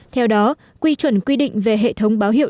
theo đó quy chuẩn quy định về hệ thống báo hiệu